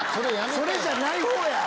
それじゃないほうや！